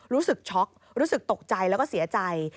รู้สึกช็อกรู้สึกตกใจแล้วก็เสียใจ